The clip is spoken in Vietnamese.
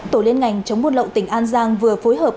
tổ liên ngành chống buôn lậu tỉnh an giang vừa phối hợp